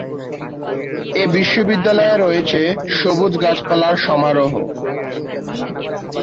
এ বিশ্ববিদ্যালয়ে রয়েছে সবুজ গাছপালার সমারোহ।